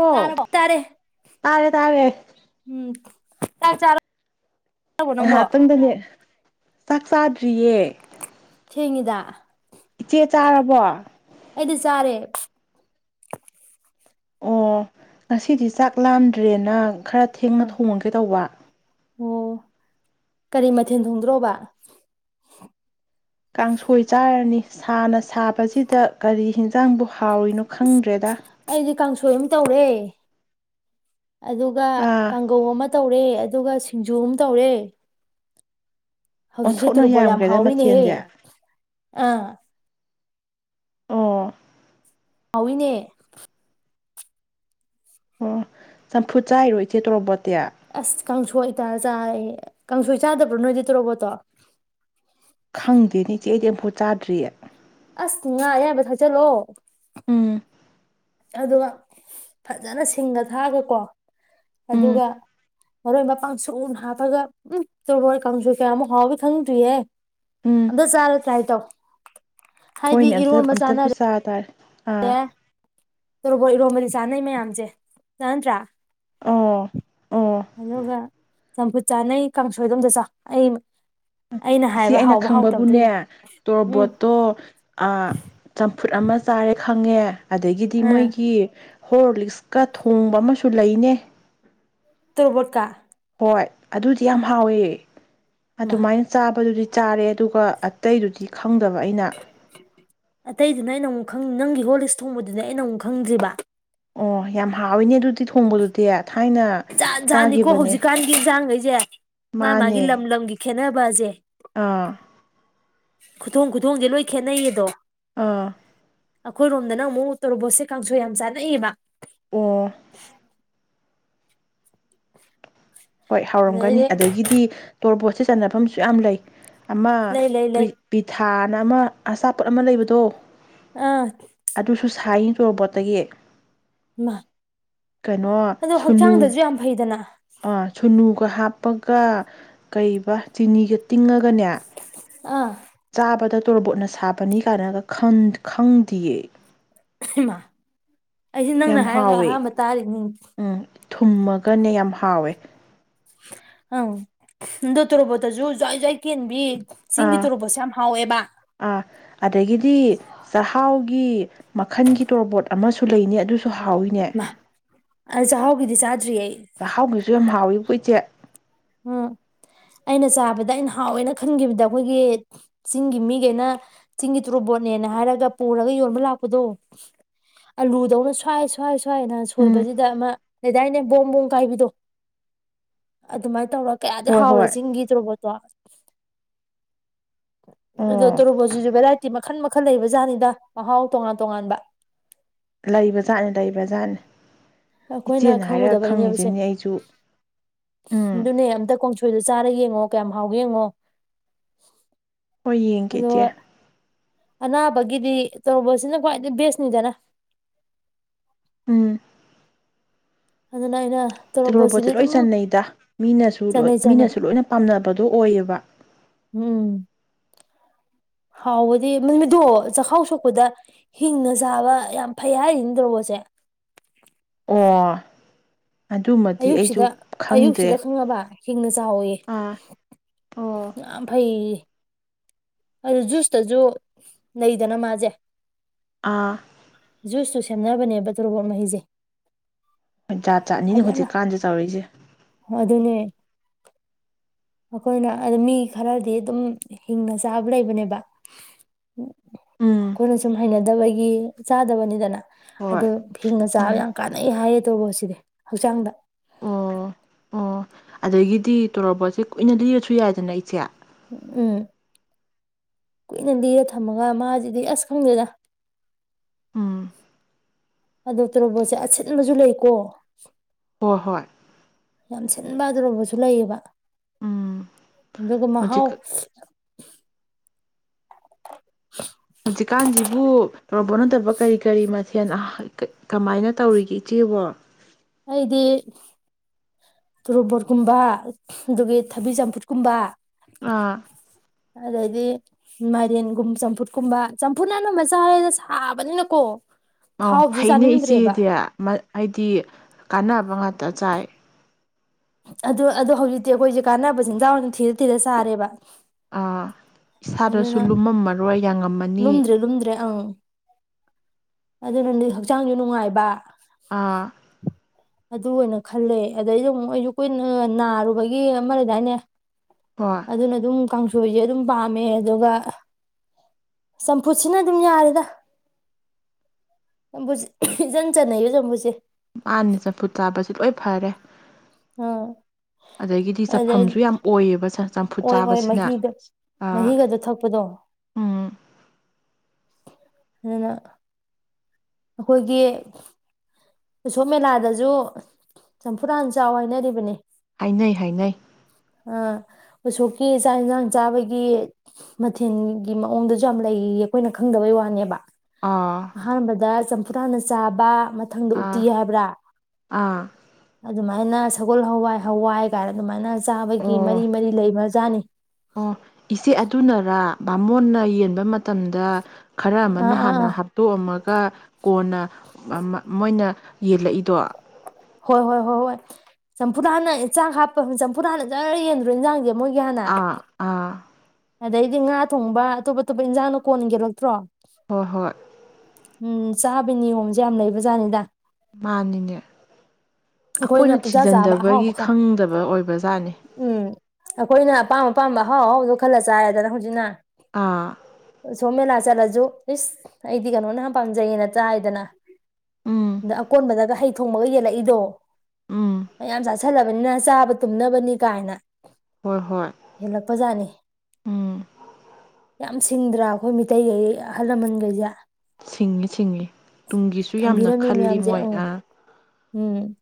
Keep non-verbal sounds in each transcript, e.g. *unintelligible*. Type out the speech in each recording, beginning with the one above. ꯑꯣ ꯇꯥꯔꯕꯣ ꯇꯥꯔꯦ ꯇꯥꯔꯦ ꯇꯥꯔꯦ ꯎꯝ ꯆꯥꯛ ꯆꯥ ꯍꯥ ꯇꯟꯅꯤ ꯆꯥꯛ ꯆꯥꯗ꯭ꯔꯤꯌꯦ ꯊꯦꯡꯉꯦꯗ ꯏꯆꯦ ꯆꯥꯔꯕꯣ ꯑꯩꯗꯤ ꯆꯥꯔꯦ ꯑꯣ ꯉꯁꯤꯗꯤ ꯆꯥꯛ ꯂꯥꯝꯗ꯭ꯔꯦꯅ ꯈꯔ ꯊꯦꯡꯅ ꯑꯥ ꯊꯣꯡꯉꯒꯦ ꯇꯧꯕ ꯑꯣ ꯀꯔꯤ ꯃꯊꯦꯜ ꯊꯣꯡꯗ꯭ꯔꯣꯕ ꯀꯥꯡꯁꯣꯏ ꯆꯥꯔꯅꯤ ꯁꯥꯅ ꯁꯥꯕꯁꯤꯗ ꯀꯔꯤ ꯍꯟꯖꯥꯡꯕꯨ ꯑꯁ ꯑꯩꯗꯤ ꯀꯥꯡꯁꯣꯏ ꯑꯃ ꯇꯧꯔꯦ ꯑꯗꯨꯒ ꯑꯥ ꯀꯥꯡꯒꯧ ꯑꯃ ꯇꯧꯔꯦ ꯑꯗꯨꯒ ꯁꯤꯡꯖꯨ ꯑꯃ ꯇꯧꯔꯦ ꯍꯧꯖꯤꯛꯁꯤ ꯑꯣꯟꯊꯣꯛꯅ ꯇꯨꯔꯨꯕꯣꯠ ꯌꯥꯝ ꯌꯥꯝꯈ꯭ꯔꯦꯗ ꯍꯥꯎꯋꯤꯅꯦꯍꯦ ꯃꯊꯦꯜꯁꯦ ꯑꯥ ꯑꯣ ꯍꯥꯎꯏꯅꯦ ꯑꯣ ꯆꯝꯐꯨꯠ ꯆꯥꯔꯣ ꯏꯆꯦ ꯇꯧꯣꯔꯕꯠ ꯗꯌꯥ ꯑꯁ ꯀꯥꯡꯁꯣꯏ ꯏꯇꯥꯔ ꯆꯥ ꯀꯥꯡꯁꯣꯏ ꯆꯥꯗꯕ꯭ꯔꯣ ꯅꯣꯏꯗꯤ ꯇꯣꯔꯣꯕꯣꯠꯇꯣ ꯈꯪꯗꯦ ꯏꯆꯦ ꯑꯩꯗꯤ ꯑꯃꯝꯐꯨ ꯆꯥꯗ꯭ꯔꯤꯌꯦ ꯑꯁ ꯉꯥ ꯑꯌꯥꯝꯕ ꯊꯛꯆꯜꯂꯑꯣ ꯎꯝ ꯑꯗꯨꯒ ꯐꯖꯅ ꯁꯤꯡꯒ ꯊꯥꯑꯒꯀꯣ ꯎꯝ ꯑꯗꯨꯒ ꯃꯔꯣꯏ ꯃ ꯄꯥꯡꯁꯨ ꯍꯥꯞꯄꯒ ꯎ ꯇꯣꯔꯕꯣꯏ ꯀꯥꯡꯁꯨꯨ ꯀꯌꯥꯃꯨꯛ ꯍꯥꯎꯕ ꯈꯪꯗ꯭ꯔꯤꯌꯦꯦ ꯎꯝ ꯑꯝꯇ ꯆꯥꯔ ꯇ꯭ꯔꯥꯏ ꯇꯧ ꯍꯥꯏꯗꯤ ꯍꯣꯏꯅꯦ ꯑꯝꯇ ꯏꯔꯣꯟꯕ ꯑꯝꯇꯕꯨ ꯆꯥꯅꯔꯦ ꯆꯥ ꯇꯥꯔꯦ ꯑꯥ ꯇꯧꯔꯣꯕꯣꯠ ꯏꯔꯣꯝꯕꯗꯤ ꯆꯥꯅꯩ ꯃꯌꯥꯝꯁꯦ ꯆꯥꯅꯗ꯭ꯔ ꯑꯣ ꯑꯣ ꯑꯗꯨꯒ ꯆꯝꯐꯨꯠ ꯆꯥꯅꯩ ꯀꯥꯡꯁꯣꯏꯗꯣ ꯑꯝꯇ ꯆꯥꯎ ꯑꯩ ꯏꯆꯦ ꯍꯥꯏꯕ ꯑꯩꯅ ꯍꯥꯎꯕ ꯍꯥꯎꯇꯕꯗꯣ ꯈꯪꯕꯕꯨꯅꯦ ꯌꯦꯡꯉꯨ ꯎꯝ ꯇꯣꯔꯕꯣꯠꯇꯣ ꯆꯝꯐꯨꯠ ꯑꯃ ꯆꯥꯔꯦ ꯈꯪꯉꯦ ꯑꯗꯒꯤꯗꯤ ꯑꯥ ꯃꯣꯏꯒꯤ ꯍꯣꯔ ꯂꯤꯛꯁꯀ ꯊꯣꯡꯕ ꯑꯃꯁꯨ ꯂꯩꯅꯦ ꯇꯨꯔꯕꯠꯀꯥ ꯍꯣꯏ ꯑꯗꯨꯗꯤ ꯌꯥꯝ ꯍꯥꯎꯋꯦ ꯃꯥ ꯑꯗꯨꯃꯥꯏꯅ ꯆꯥꯕꯗꯨꯗꯤ ꯆꯥꯔꯦ ꯑꯗꯨꯒ ꯑꯇꯩꯗꯨꯗꯤ ꯈ ꯑꯇꯩ ꯗꯨꯅ ꯑꯩꯅꯃꯨꯛ ꯈ ꯅꯪꯒꯤ ꯍꯣ ꯂꯤꯁ ꯊꯣꯡꯕꯗꯨꯅꯦ ꯑꯩꯅ ꯑꯃꯨꯛ ꯈꯪꯗ꯭ꯔꯤꯕ ꯑꯣ ꯌꯥꯝ ꯍꯥꯎꯋꯤꯅꯦ ꯑꯗꯨꯗꯤ ꯊꯣꯡꯕꯗꯨꯗꯤ ꯊꯥꯏꯅ ꯏꯟꯖꯥꯟꯖꯥꯠꯅꯤꯀꯣ ꯆꯥꯈꯤꯕꯅꯦ ꯍꯧꯖꯤꯛꯀꯥꯟꯒꯤ ꯌꯦꯟꯁꯥꯡꯈꯩꯁꯦ ꯃꯥ ꯃꯥꯒꯤ ꯂꯝ ꯃꯥꯅꯦ ꯂꯝꯒꯤ ꯈꯦꯠꯅꯕ ꯖꯦ ꯑꯥ ꯈꯨꯊꯣꯡ ꯈꯨꯊꯣꯡꯁꯦ ꯂꯣꯏ ꯈꯦꯠꯅꯩꯌꯦꯗꯣ ꯑꯥ ꯑꯩꯈꯣꯏꯔꯣꯝꯗꯅ ꯑꯃꯨꯛ ꯇ‌ꯣꯔꯣꯕꯣꯠꯁꯦ ꯀꯥꯡꯁꯣꯏ ꯌꯥꯝ ꯆꯥꯅꯩꯑꯦꯕ ꯑꯣ *unintelligible* ꯍꯣꯏ ꯍꯥꯎꯔꯝꯒꯅꯤ ꯑꯗꯩꯗꯤ ꯑꯗꯒꯤꯗꯤ ꯇꯣꯔꯕꯣꯠ ꯁꯤ ꯆꯥꯟꯅꯐꯝꯁꯨ ꯌꯥꯝ ꯂꯩ ꯑꯃ ꯂꯩ ꯂꯩ ꯄ꯭ꯔꯤ ꯂꯩ ꯄꯤꯊ ꯍꯥꯟꯅ ꯑꯃ ꯑꯆꯥꯄꯣꯠ ꯑꯃ ꯂꯩꯕꯗꯣ ꯑꯥ ꯑꯗꯨꯁꯨ ꯁꯥꯏ ꯇꯣꯔꯕꯣꯠꯇꯒꯤ ꯏꯃ ꯀꯩꯅꯣ ꯑꯗꯣ ꯁꯨꯅꯨ ꯍꯛꯆꯥꯡꯗꯁꯨ ꯌꯥꯝ ꯐꯩꯗꯅ ꯑ ꯁꯨꯅꯨꯒ ꯍꯥꯞꯄꯒ ꯀꯩꯕ ꯆꯤꯅꯤꯒ ꯇꯤꯡꯉꯒꯅꯦ ꯑꯥ ꯆꯥꯕꯗ ꯇꯣꯔꯕꯣꯠꯅ ꯁꯥꯕꯅꯤ ꯀꯥꯏꯅꯒ ꯈꯪ ꯈꯪꯗꯤꯌꯦ ꯏꯃꯥ ꯑꯩꯁꯦ ꯌꯥꯝ ꯅꯪꯅ ꯍꯥꯏꯔꯒ ꯍꯥꯎꯋꯦ ꯑꯍꯥꯟꯕ ꯇꯥꯔꯤꯅꯤ ꯎꯝ ꯊꯨꯝꯃꯒꯅꯦ ꯌꯥꯝ ꯍꯥꯎꯋꯦ ꯑꯡ ꯑꯗꯣ ꯇꯔꯣꯕꯠꯇꯖꯨ ꯖꯨꯥꯏ ꯖꯨꯥꯏ ꯀꯦꯟꯕꯤ ꯆꯤꯡꯒꯤ ꯑꯥ ꯇꯨꯔ‌ꯣꯕ‌ꯣꯠꯁ‌ꯦ ꯌꯥꯝ ꯍꯥꯎꯋꯦꯕ ꯑꯥ ꯑꯗꯒꯤꯗꯤ ꯆꯥꯛꯍꯥꯎꯒꯤ ꯃꯈꯜꯒꯤ ꯇꯣꯔꯕꯣꯠ ꯑꯃꯁꯨ ꯂꯩꯅ‌ꯦ ꯑꯗꯨ ꯁꯨ ꯍꯥꯎꯋꯤꯅꯦ ꯃꯥ ꯑꯩ ꯆꯥꯛꯍꯥꯎꯒꯤꯗꯤ ꯆꯥꯗ꯭ꯔꯤ ꯑꯩ ꯆꯥꯛꯍꯥꯎꯒꯤꯁꯨ ꯌꯥꯝ ꯍꯥꯎꯋꯤꯕ‌ꯣ ꯏꯆ‌ꯦ ꯎꯝ ꯑꯩꯅ ꯆꯥꯕꯗ ꯑꯩꯅ ꯍꯥꯎꯋꯦꯅ ꯈꯟꯈꯤꯕꯗ ꯑꯩꯈꯣꯏꯒꯤ ꯆꯤꯡꯒꯤ ꯃꯤꯈꯩꯅ ꯆꯤꯡꯒꯤ ꯇꯣꯔꯨꯕꯣꯠꯅꯦꯅ ꯍꯥꯏꯔꯒ ꯄꯨꯔꯒ ꯌꯣꯟꯕ ꯂꯥꯛꯄꯗꯣ ꯑꯂꯨꯗꯧꯅ ꯁ꯭ꯋꯥꯏ ꯁ꯭ꯋꯥꯏ ꯁꯋꯥꯏꯅ ꯎꯝ ꯁꯣꯏꯕꯁꯤꯗ ꯑꯃ ꯂꯩꯗꯥꯏꯅꯦ ꯕꯣꯝꯕꯣꯝ ꯀꯥꯏꯕꯤꯗꯣ ꯑꯗꯨꯃꯥꯏꯅ ꯇꯧꯔ ꯀꯌꯥꯗꯤ ꯍꯣꯏ ꯍꯥꯎꯔ ꯍꯣꯏ ꯆꯤꯡꯒꯤ ꯇꯨꯔꯣꯕꯣꯠꯇꯣ ꯑꯗ‌ꯣ ꯑꯣ ꯇ‌ꯣꯔ‌ꯣꯕ‌ꯣꯠꯁꯤꯁꯨ ꯕ‌ꯦꯔꯥꯏꯇ ꯃ ꯃꯈꯟ ꯃꯈꯜ ꯂꯩꯕ ꯖꯥꯠꯅꯤꯗ ꯃꯍꯥꯎ ꯇꯣꯉꯥꯟ ꯇꯣꯉꯥꯟꯕ ꯂꯩꯕ ꯖꯥꯠꯅꯤ ꯂꯩꯕꯖꯥꯠꯅꯤ ꯑꯩꯈꯣꯏꯅ ꯏꯆꯦꯅ ꯍꯥꯏꯔꯒ ꯈꯪꯉꯨꯗꯕꯩꯅꯦꯕꯁꯦ ꯈꯪꯉꯤꯁꯤꯅꯤ ꯑꯩꯁꯨ ꯎꯝ ꯑꯗꯨꯅꯦ ꯑꯝꯇ ꯀꯣꯡꯁꯣꯏꯗ ꯆꯥꯔ ꯌꯦꯡꯉꯣ ꯀꯌꯥꯝ ꯍꯥꯎꯒꯦ ꯌꯦꯡꯉꯣ ꯍꯣꯏ ꯌꯦꯡꯒꯦ ꯏꯆꯦ ꯑꯗꯨꯒ ꯑꯅꯥꯕꯒꯤꯗꯤ ꯇ‌ꯣꯔ‌ꯣꯕ‌ꯣꯠꯁꯤꯅ ꯈ꯭ꯋꯥꯏꯗꯒꯤ ꯕꯦꯁꯅꯤꯗꯅ ꯎꯝ ꯑꯗꯨꯅ ꯑꯩꯅ ꯇꯣꯔꯣꯕꯣꯠꯁꯤꯗꯤ ꯇ‌ꯣꯔꯣꯕꯣꯠꯁꯦ ꯂꯣꯏ ꯑꯗꯨꯝ ꯆꯟꯅꯩꯗ ꯃꯤꯅꯁꯨ ꯂꯣꯏ ꯆꯥꯅꯩ ꯆꯥꯅꯩ ꯃꯤꯅꯁꯨ ꯂꯣꯏꯅ ꯄꯥꯝꯅꯕꯗꯣ ꯑꯣꯏꯌꯦꯕ ꯎꯝ ꯍꯥꯎꯕꯗꯤ ꯃꯃꯤꯗꯣ ꯆꯈꯥꯎ ꯁꯣꯛꯄꯗ ꯍꯤꯡꯅ ꯆꯥꯕ ꯌꯥꯝ ꯐꯩ ꯍꯥꯏꯔꯤꯅꯤ ꯇ‌ꯣꯔ‌ꯣꯕ‌ꯣꯠꯁꯦ ꯑꯣ ꯑꯗꯨꯃꯗꯤ ꯑꯩꯁꯨ ꯑꯌꯨꯛꯁꯤꯗ ꯈꯪꯗ‌ꯦ ꯑꯌꯨꯛꯁꯤꯗ ꯈꯪꯉꯕ ꯍꯤꯡꯅ ꯆꯥꯋ‌ꯣꯌ‌ꯦ ꯑꯣ ꯌꯥꯝ ꯐꯩꯌ‌ꯦꯌ‌ꯦ ꯑꯗꯨ ꯖꯨꯁꯇꯁꯨ ꯂꯩꯗꯅ ꯃꯥꯁꯦ ꯑꯥ ꯖꯨꯁꯇꯨ ꯁꯦꯝꯅꯕꯅꯦꯕ ꯇꯣꯔꯣꯕꯣꯠ ꯃꯍꯤꯁꯦ ꯖꯥꯠ ꯖꯥꯠꯅꯤꯅ‌ꯦ ꯐꯖꯅ ꯍꯧꯖꯤꯛꯀꯥꯟꯁ‌ꯦ ꯇꯧꯔꯛꯏꯁꯦ ꯍꯣꯏ ꯑꯗꯨꯅꯦ ꯑꯩꯈꯣꯏꯅ ꯑꯗꯨ ꯃꯤ ꯈꯔꯗꯤ ꯑꯗꯨꯝ ꯍꯤꯡꯅ ꯆꯥꯕ ꯂꯩꯕꯅꯦꯕ ꯎꯝ ꯑꯩꯈꯣꯏꯅ ꯁꯨꯝ ꯍꯩꯅꯗꯕꯒꯤ ꯒꯤ ꯆꯥꯗꯕꯅꯤꯗꯅ ꯑꯗꯣ ꯍꯣꯏ ꯍꯤꯡꯅ ꯆꯥꯕ ꯎꯝ ꯌꯥꯝ ꯀꯥꯟꯅꯩ ꯍꯥꯏꯌꯦ ꯇ‌ꯣꯕꯣꯠꯁꯤꯗꯤ ꯍꯛꯆꯥꯡꯗ ꯑꯣ ꯑꯣ ꯑꯗꯒꯤꯗꯤ ꯇꯣꯔꯕꯣꯠꯁꯤ ꯀꯨꯏꯅ ꯂꯤꯔꯁꯨ ꯌꯥꯏꯗꯅ ꯏꯆꯦ ꯎꯝ ꯀꯨꯏꯅ ꯂꯤꯔ ꯊꯝꯃꯒ ꯃꯥꯁꯤꯗꯤ ꯑꯁ ꯈꯪꯗꯦꯗ ꯎꯝ ꯑꯗꯣ ꯇꯣꯔꯣꯕꯣꯠꯁꯦ ꯑꯁꯤꯟꯕꯁꯨ ꯂꯩꯀꯣ ꯍꯣ ꯍꯣꯏ ꯌꯥꯝ ꯁꯤꯟꯕ ꯇ‌ꯣꯔꯣꯕꯣꯠꯁꯨ ꯂꯩꯌꯦꯕ ꯎꯝ ꯑꯗꯨꯒ ꯍꯧꯖꯤꯛ ꯃꯍꯥꯎ *unintelligible* ꯍꯧꯖꯤꯛꯀꯥꯟꯖꯤꯕꯨ ꯔꯣꯕꯣꯠ ꯅꯠꯇꯕ ꯀꯔꯤ ꯀꯔꯤ ꯃꯊꯦꯜ ꯑꯍ ꯀꯃꯥꯏꯅ ꯇꯧꯔꯤꯒꯦ ꯏꯆꯦꯕꯣ ꯑꯩꯗꯤ ꯇꯣꯔꯣꯕꯣꯠꯀꯨꯝꯕ ꯑꯗꯨꯒꯤ ꯊꯕꯤ ꯆꯝꯐꯨꯠꯀꯨꯝꯕ ꯑꯥ ꯑꯗꯩꯗꯤ ꯃꯥꯏꯔꯦꯟꯒꯨꯝ ꯆꯝꯐꯨꯠ ꯀꯨꯝꯕ ꯆꯝꯐꯨꯠꯅ ꯑꯅꯝ ꯃꯆꯥꯔꯦꯗ ꯁꯥꯕꯅꯤꯅꯀꯣ ꯑ ꯊꯥꯎꯁꯦ ꯐꯩꯅꯦ ꯆꯥꯅꯤꯡꯗ꯭ꯔꯦꯕ ꯏꯆꯦꯗꯤ ꯃ ꯍꯥꯏꯗꯤ ꯀꯥꯟꯅ *unintelligible* ꯇꯥ ꯆꯥꯏ ꯑꯗꯣ ꯑꯗꯣ ꯍꯧꯖꯤꯛꯇꯤ ꯑꯩꯈꯣꯏꯖꯦ ꯀꯥꯟꯅꯕꯆꯤꯟꯖꯥꯛ ꯑꯣꯏ ꯊꯤꯔ ꯊꯤꯔ ꯆꯥꯔꯦꯕ ꯑꯥ ꯏꯁꯥꯗꯁꯨ ꯑꯗꯨꯅ ꯂꯨꯝꯃꯝꯃꯔꯣꯏ ꯌꯥꯉꯝꯃꯅꯤ ꯂꯨꯝꯗ꯭ꯔꯦ ꯂꯨꯝꯗ꯭ꯔꯦ ꯑꯪ ꯑꯗꯨꯅ ꯍꯛꯆꯥꯡꯖꯨ ꯅꯨꯡꯉꯥꯏꯕ ꯑꯥ ꯑꯗꯨ ꯑꯣꯏꯅ ꯈꯜꯂꯦ ꯑꯗꯩꯁꯨ ꯑꯃꯨꯛ ꯑꯩꯖꯨ ꯀꯨꯏꯅ ꯅꯥꯔꯨꯕꯒꯤ ꯑꯃ ꯂꯩꯗꯥꯏꯅꯦ ꯍꯣꯏ ꯑꯗꯨꯅ ꯑꯗꯨꯝ ꯀꯥꯡꯁꯣꯏꯁꯦ ꯑꯗꯨꯝ ꯄꯥꯝꯃꯦ ꯑꯗꯨꯒ ꯆꯝꯐꯨꯠꯁꯤꯅ ꯑꯗꯨꯝ ꯌꯥꯔꯦꯗ ꯆꯝꯐꯨꯠꯁꯦ ꯏꯆꯟ ꯆꯟꯅꯩꯌꯦ ꯆꯝꯐꯨꯠꯁꯦ ꯃꯥꯅꯦ ꯆꯝꯐꯨꯠ ꯆꯥꯁꯦ ꯂꯣꯏ ꯐꯔꯦ ꯑꯥ ꯑꯗꯒꯤꯗꯤ ꯑꯗꯩ ꯆꯐꯝꯁꯨ ꯌꯥꯝ ꯑꯣꯏꯌꯦꯕ ꯁ ꯑꯣꯏ ꯑꯣꯏ ꯃꯍꯤꯒ ꯃꯍꯤꯒꯗꯣ ꯊꯛꯄꯗꯣ ꯎꯝ ꯑꯗꯨꯅ ꯑꯈꯣꯏꯒꯤ ꯎꯁꯣꯞ ꯃꯦꯂꯥꯗꯖꯨ ꯆꯝꯐꯨꯨꯠ ꯍꯥꯟ ꯆꯥꯎ ꯍꯥꯏꯅꯔꯤꯕꯅꯤ ꯍꯥꯏꯅꯩ ꯍꯥꯏꯅꯩ ꯎꯁꯣꯞꯀꯤ ꯆꯥꯛ ꯏꯟꯁꯥꯡ ꯆꯥꯕꯒꯤ ꯃꯊꯦꯜꯒꯤ ꯃꯑꯣꯡꯗꯁꯨ ꯌꯥꯝ ꯂꯩꯔꯤꯌꯦ ꯑꯩꯈꯣꯏꯅ ꯈꯪꯗꯕꯩ ꯋꯥꯅꯦꯕ ꯑꯥ ꯑꯍꯥꯟꯕꯗ ꯆꯝ ꯈꯥꯇꯡ ꯍꯥꯟꯅ ꯆꯥꯕ ꯃꯊꯪꯗ ꯇꯤ ꯑꯥ ꯍꯥꯏꯕ꯭ꯔꯥ ꯑꯥ ꯑꯗꯨꯃꯥꯏꯅ ꯁꯒꯣꯜ ꯍꯋꯥꯏ ꯍꯋꯥꯏ ꯀꯥꯏꯅ ꯑꯗꯨꯃꯥꯏꯅ ꯆꯥꯕꯒꯤ ꯑꯣ ꯃꯔꯤ ꯃꯔꯤ ꯂꯩꯕ ꯆꯅꯤ ꯑꯣ ꯏꯆꯦ ꯑꯗꯨꯅꯔꯥ ꯕꯥꯃꯣꯟꯅ ꯌꯦꯟꯕ ꯃꯇꯝꯗ ꯈꯔ ꯑꯃꯅ ꯑꯥ ꯑꯥ ꯍꯥꯟꯅ ꯑꯥ ꯍꯥꯞꯇꯣꯛꯑꯝꯃꯒ ꯀꯣꯟꯅ ꯃꯣꯏꯅ ꯌꯦꯜꯂꯛꯏꯗꯣ ꯍꯣꯏ ꯍꯣꯏ ꯍꯣꯏ ꯍꯣꯏ ꯆꯝꯐꯨꯊ ꯍꯥꯟꯅ ꯏꯟꯁꯥꯡ ꯍꯥꯞꯄ ꯆꯝꯐꯨ ꯍꯥꯟꯅ ꯖꯔ ꯌꯦꯟꯗ꯭ꯔꯣ ꯏꯟꯖꯥꯡꯁꯦ ꯃꯣꯏꯒꯤ ꯍꯥꯟꯅ ꯑꯥ ꯑꯥ ꯑꯗꯩꯗꯤ ꯉꯥ ꯊꯣꯡꯕ ꯑꯇꯣꯞ ꯑꯇꯣꯞꯄ ꯏꯟꯖꯥꯡꯅ ꯀꯣꯟꯌ‌ꯦꯜꯂꯛꯇ꯭ꯔꯣ ꯍꯣꯏ ꯍꯣꯏ ꯎꯝ ꯆꯥꯕ ꯅꯤꯌꯣꯝꯁꯦ ꯌꯥꯝ ꯂꯩꯕ ꯖꯥꯠꯅꯤꯗ ꯃꯥꯅꯤꯅꯦ ꯑꯩꯈꯣꯏꯅ ꯄꯨꯡꯆꯥ ꯆꯥꯕ ꯑꯍꯥꯎꯕ ꯊꯤꯖꯤꯟꯗꯕꯒꯤ ꯈꯛ ꯈꯪꯗꯕ ꯑꯣꯏꯕ ꯖꯥꯠꯅꯤ ꯎꯝ ꯑꯩꯈꯣꯏꯅ ꯑꯄꯥꯝ ꯑꯄꯥꯝꯕ ꯑꯍꯥꯎꯑꯍꯥꯎꯕꯗꯣ ꯈꯜꯂ ꯆꯥꯏꯗꯅ ꯍꯧꯖꯤꯛꯅ ꯑꯥ ꯁꯣꯃꯦꯂ ꯆꯠꯂꯁꯨ ꯏꯁ ꯑꯩꯗꯤ ꯀꯩꯅꯣꯅ ꯌꯥꯝ ꯄꯥꯝꯖꯩꯌꯦ ꯅ ꯆꯥꯏꯗꯅ ꯎꯝ ꯑꯗ ꯑꯀꯣꯟꯕꯗꯒ ꯍꯩ ꯊꯣꯡꯕꯒ ꯌꯦꯜꯂꯛꯏꯗꯣ ꯎꯝ ꯃꯌꯥꯝ ꯆꯥꯥꯁꯜꯂꯕꯅꯤꯅ ꯆꯥꯕ ꯇꯨꯝꯅꯕꯅꯤ ꯀꯥꯏꯅ ꯍꯣꯏ ꯍꯣꯏ ꯍꯦꯜꯂꯛꯄꯖꯥꯠꯅꯤ ꯎꯝ ꯌꯥꯝ ꯁꯤꯡꯗ꯭ꯔꯥ ꯑꯩꯈꯣꯏ ꯃꯤꯇꯩꯈꯩ ꯑꯍꯜ ꯂꯃꯟꯈꯩꯁꯦ ꯁꯤꯡꯉꯤ ꯁꯤꯡꯉꯤ ꯇꯨꯡꯒꯤꯁꯨ ꯌꯥꯝꯅ ꯊꯝꯕꯤꯔꯝꯃꯤ ꯈꯜꯂꯤ ꯃꯌꯥꯝꯁꯦ ꯃꯣꯏ ꯑꯪ ꯎꯝ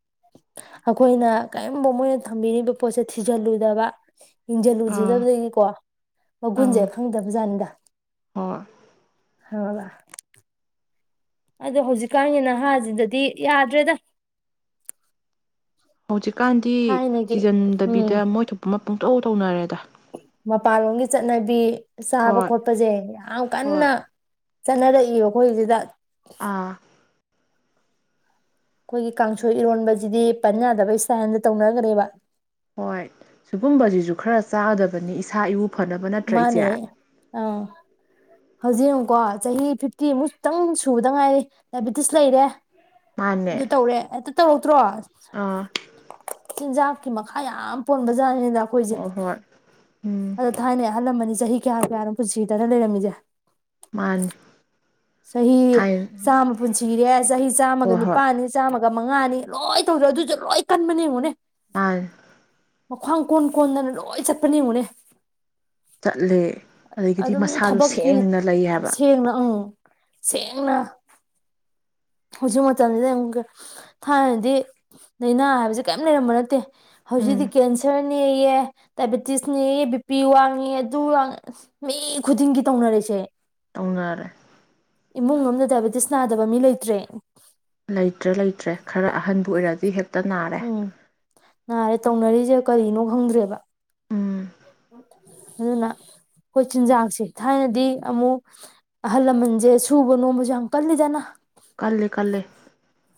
ꯑꯩꯈꯣꯏꯅ ꯀꯔꯤꯒꯝꯕ ꯃꯣꯏꯅ ꯊꯝꯕꯤꯔꯤꯕ ꯄꯣꯠꯁꯦ ꯊꯤꯖꯤꯜꯂꯨꯗꯕ ꯑꯥ ꯌ‌ꯦꯡꯖꯤꯜꯎꯖꯤꯜꯗꯕꯗꯒꯤꯀꯣ ꯃꯒꯨꯟꯁꯦ ꯑꯪ ꯈꯪꯗꯕ ꯖꯥꯠꯅꯤꯗ ꯍꯣꯏ ꯈꯪꯉꯕ ꯑꯗꯣ ꯍꯧꯖꯤꯛꯀꯥꯟꯒꯤ ꯅꯍꯥꯟꯁꯤꯗꯗꯤ ꯌꯥꯗ꯭ꯔꯦꯗ ꯍꯧꯖꯤꯛꯀꯥꯟꯗꯤ ꯊꯥꯏꯅꯒꯤ ꯎꯝ ꯊꯤꯖꯟꯗꯕꯤꯗ ꯃꯣꯏ ꯊꯣꯛꯄ ꯑꯃ ꯄꯨꯡꯇꯧ ꯇꯧꯅꯔꯦꯗ ꯃꯄꯥꯟꯂꯣꯝꯒꯤ ꯆꯠꯅꯕꯤ ꯆꯥꯕ ꯍꯣꯏ ꯈꯣꯠꯄꯁꯦ ꯌꯥꯝ ꯍꯣꯏ ꯀꯟꯅ ꯆꯠꯅꯔꯛꯏꯕ ꯑꯩꯈꯣꯏꯁꯤꯗ ꯑꯥ ꯑꯩꯈꯣꯏꯒꯤ ꯀꯥꯡꯁꯣꯏ ꯏꯔꯣꯟꯕꯁꯤꯗꯤ ꯄꯟ ꯌꯥꯗꯕ ꯁ꯭ꯇꯥꯏꯟꯗ ꯇꯧꯅꯒ꯭ꯔ‌ꯦꯕ ꯍꯣꯏ ꯁꯤꯒꯨꯝꯕꯁꯤꯁꯨ ꯈꯔ ꯆꯥꯒꯗꯕꯅꯤ ꯏꯁꯥ ꯏꯎ ꯐꯅꯕ ꯅꯠꯇ꯭ꯔ ꯏꯆꯦ ꯑꯧ ꯍꯧꯖꯤꯛ ꯌ‌ꯦꯡꯉꯨꯀꯣ ꯆꯍꯤ ꯐꯤꯞꯇꯤ ꯃꯨꯛꯇꯪ ꯁꯨꯕꯗ ꯉꯥꯏꯔꯤ ꯗꯥꯏꯕ‌ꯦꯇꯤꯁ ꯂꯩꯔꯦ ꯃꯥꯅꯦ ꯑꯗꯨ ꯇꯧꯔꯦ ꯍ‌ꯦꯛꯇ ꯇꯧꯔꯛꯇ꯭ꯔꯣ ꯑꯥ ꯆꯤꯟꯖꯥꯛꯀꯤ ꯃꯈꯥ ꯌꯥꯝ ꯄꯣꯟꯕꯖꯥꯠꯅꯤ ꯗꯈꯣꯏꯁꯦ ꯍꯣꯏ ꯍꯣꯏ ꯎꯝ ꯑꯗꯣ ꯊꯥꯏꯅꯩ ꯑꯍꯜꯂꯥꯃꯟꯗꯤ ꯆꯍꯤ ꯀꯌꯥ ꯀꯌꯥꯅꯣ ꯄꯨꯟꯁꯤꯗꯅ ꯂꯩꯔꯝꯃꯤꯁꯦ ꯃꯥꯅꯤ ꯆꯍꯤ ꯍꯥꯏ ꯆꯥꯝꯃ ꯄꯨꯟꯁꯤꯔꯦ ꯆꯍꯤ ꯆꯥꯝꯃꯒ ꯍꯣꯏ ꯍꯣꯏ ꯅꯤꯄꯥꯜꯅꯤ ꯆꯥꯝꯃꯒ ꯒ ꯃꯉꯥꯅꯤ ꯂꯣꯏ ꯇꯧꯗꯦ ꯑꯗꯨꯁꯨ ꯂꯣꯏ ꯀꯟꯕꯅꯦ ꯌꯦꯡꯉꯨꯅꯦ ꯃꯥꯅꯤ ꯃꯈꯨꯋꯥꯡ ꯀꯣꯟ ꯀꯣꯟꯗꯅ ꯂꯣꯏ ꯆꯠꯄꯅꯦꯌ‌ꯦꯡꯉꯨꯅꯦ ꯆꯠꯂꯦ ꯑꯗꯒꯤꯗꯤ ꯑꯗꯨꯝ ꯃꯁꯥꯁꯨ ꯊꯕꯛꯀꯤ ꯁꯦꯡꯅ ꯂꯩ ꯍꯥꯏꯕ ꯁꯦꯡꯅ ꯑꯪ ꯁꯦꯡꯅ ꯍꯧꯖꯤꯛ ꯃꯇꯝꯁꯤꯗ ꯌ‌ꯦꯡꯉꯨ ꯊꯥꯏꯅꯗꯤ ꯂꯩꯏꯅꯥ ꯍꯥꯏꯕꯕꯁꯤ ꯀꯔꯤꯝ ꯂꯩꯔꯝꯕ ꯅꯠꯇꯦ ꯍꯧꯖꯤꯛꯇꯤ ꯎꯝ ꯀꯦꯟꯁꯔ ꯅꯦꯛꯌꯦ ꯗꯥꯏꯕꯦꯇꯤꯁ ꯅꯦꯛꯌꯦ ꯕꯤꯄꯤ ꯋꯥꯡꯉꯦ ꯑꯗꯨ ꯋꯥꯡ ꯃꯤ ꯈꯨꯗꯤꯡꯒꯤ ꯇꯧꯅꯔ‌ꯦꯁꯦ ꯇꯧꯅꯔꯦ ꯏꯃꯨꯡ ꯑꯃꯗ ꯗꯥꯏꯕꯦꯇꯤꯁ ꯅꯥꯗꯕ ꯃꯤ ꯂꯩ ꯇ꯭ꯔꯦ ꯂꯩꯇ꯭ꯔꯦ ꯂꯩꯇ꯭ꯔꯦ ꯈꯔ ꯑꯍꯟꯕꯨ ꯑꯣꯏꯔꯗꯤ ꯍꯦꯛꯇ ꯅꯥꯔ ꯎꯝ ꯅꯥꯔꯦ ꯇꯧꯅꯔꯤꯁꯦ ꯀꯔꯤꯅꯣ ꯈꯪꯗ꯭ꯔꯦꯕ ꯎꯝ ꯑꯗꯨꯅ ꯑꯩꯈꯣꯏ ꯆꯤꯟꯖꯥꯛꯁꯦ ꯊꯥꯏꯅꯗꯤ ꯑꯃꯨꯛ ꯑꯍꯜ ꯂꯃꯟꯁꯦ ꯁꯨꯕ ꯅꯣꯝꯕꯁꯨ ꯌꯥꯝ ꯀꯜꯂꯤꯗꯅ ꯀꯜꯂꯦ ꯀꯜꯂꯦ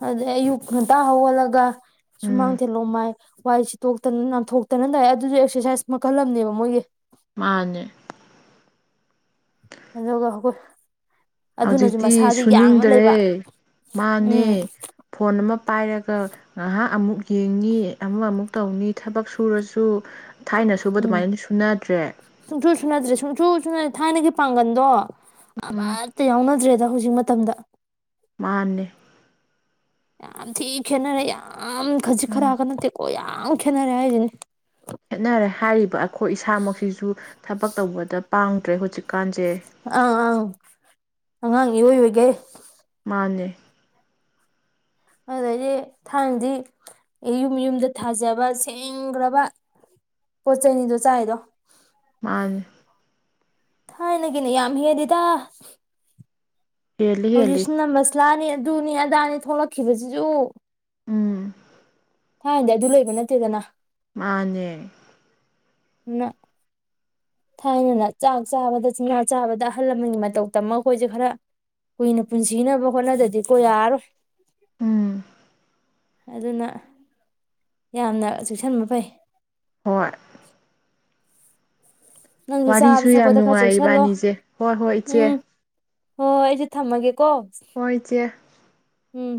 ꯑꯗꯩ ꯑꯌꯨꯛ ꯉꯟꯇ ꯍꯧꯒꯠꯂ ꯒꯥ ꯎꯝ ꯁꯨꯃꯥꯡꯊ‌ꯦꯂꯣꯃꯥꯏ ꯋꯥꯏꯁꯤꯇ‌ꯣꯛꯇꯅ ꯅꯥꯟꯊ‌ꯣꯛꯇꯅ ꯇꯧꯋ‌ꯦ ꯑꯗꯨꯁꯨ ꯑꯦꯛꯁꯔꯁꯥꯏꯁ ꯃꯈꯜꯂꯝꯅꯦꯕ ꯃꯣꯏꯒꯤ ꯃꯥꯅꯦ ꯑꯗꯨꯒ ꯑꯗꯨꯅꯁꯨ ꯍꯧꯖꯤꯛꯇꯤ ꯃꯁꯥꯁꯦ ꯌꯥꯡꯅ ꯁꯨꯅꯤꯡꯗ꯭ꯔꯦ ꯂꯩꯕ ꯃꯥꯅꯦ ꯎꯝ ꯐꯣꯟ ꯑꯃ ꯄꯥꯏꯔꯒ ꯉꯥꯏꯍꯥꯛ ꯑꯃꯨꯛ ꯌꯦꯡꯉꯤ ꯑꯃꯥꯑꯃꯨꯛ ꯇꯧꯅꯤ ꯊꯕꯛ ꯁꯨꯔꯁꯨ ꯊꯥꯏꯅ ꯁꯨꯕ ꯎꯝ ꯑꯗꯨꯃꯥꯏꯅ ꯁꯨꯅꯗ꯭ꯔꯦ ꯁꯨꯡꯁꯨꯁꯨꯅꯗ꯭꯭ꯔꯦ ꯁꯨꯡꯁꯨꯁꯨꯅ ꯊꯥꯏꯅꯒꯤ ꯄꯥꯡꯒꯜꯗꯣ ꯎꯝ ꯑꯃꯠꯇ ꯌꯥꯎꯅꯗ꯭ꯔꯦ ꯑꯗ ꯍꯧꯖꯤꯛ ꯃꯇꯝꯗ ꯃꯥꯅꯦ꯫ ꯌꯥꯝꯝ ꯊꯤ ꯈꯦꯠꯅꯔꯦ ꯌꯥꯝ ꯌꯥꯝ ꯈꯖꯤꯛ ꯎꯝ ꯈꯔꯛꯀ ꯅꯠꯇꯦꯀꯣꯅ ꯌꯥ ꯌꯥꯝ ꯈꯦꯠꯅꯔꯦ ꯍꯥꯏꯖꯤꯅꯤ꯫ ꯈꯦꯠꯅꯔꯦ ꯍꯥꯏꯔꯤꯕ ꯑꯈꯣꯏ ꯏꯁꯥꯃꯛꯁꯤꯁꯨ ꯊꯕꯛ ꯇꯧꯕꯗ ꯄꯥꯡꯗ꯭ꯔꯦ ꯍꯧꯖꯤꯛꯀ ꯑꯥ ꯑ꯫ ꯑꯉꯥꯡ ꯏꯑꯣꯏ ꯑꯣꯏꯒꯩ꯫ ꯃꯥꯅꯦ꯫ ꯑꯗꯨꯗꯩꯗꯤ ꯊꯥꯏꯅꯗꯤ ꯌꯨꯝ ꯌꯨꯝꯗ ꯊꯥꯖꯕ ꯁꯦꯡꯒ꯭ꯔꯕ ꯄꯣꯠ ꯆꯩꯅꯤꯗꯣ ꯆꯥꯏꯗꯣ꯫ ꯃꯥꯅꯦ꯫ ꯊꯥꯏꯅ ꯒꯤꯅ ꯌꯥꯝ ꯍꯦꯜꯂꯤꯗ꯫ ꯍꯦꯜꯂꯤ ꯍꯦꯜꯂꯤ ꯍꯧꯖꯤꯛꯁꯤꯅ ꯃ꯭ꯁꯂꯥꯅꯤ ꯑꯗꯨꯅꯤ ꯑꯗꯥꯅꯤ ꯊꯣꯛꯂꯛꯈꯤꯕꯖꯤꯁꯨ꯫ ꯎꯝ꯫ ꯊꯥꯏꯅꯗꯤ ꯑꯗꯨ ꯂꯩꯕ ꯅꯠꯇꯦꯗꯅ꯫ ꯃꯥꯅꯦ꯫ ꯎ꯫ ꯊꯥꯏꯅꯅ ꯆꯥꯛ ꯆꯥꯕꯗ ꯆꯤꯡꯖꯥ ꯆꯥꯕꯗ ꯑꯍꯜ ꯂꯃꯟꯒꯤ ꯃꯇꯧꯇ ꯑꯃ ꯑꯩꯈꯣꯏꯁꯦ ꯈꯔ ꯀꯨꯏꯅ ꯄꯨꯟꯁꯤꯅꯕ ꯍꯣꯠꯅꯗꯗꯤꯀꯣ ꯌꯥꯔꯔꯣꯏ ꯎꯝ ꯑꯗꯨꯅ ꯌꯥꯝꯅ ꯆꯦꯛꯁꯤꯟꯕ ꯐꯩ ꯍꯣꯏ ꯅꯪꯁꯨ ꯆꯥꯕ ꯋꯥꯔꯤꯁꯨ ꯌꯥꯝ ꯊꯛꯄꯗ ꯈꯔ ꯅꯨꯡꯉꯥꯏ ꯆꯦꯛꯁꯤꯜꯂꯣ ꯏꯕꯥꯅꯤꯁꯦ ꯍꯣꯏ ꯍꯣꯏ ꯏꯆꯦ ꯍꯣ ꯑꯩꯁꯨ ꯊꯝꯃꯒꯦ ꯀ‌ꯣ ꯍꯣꯏ ꯏꯆꯦ ꯎꯝ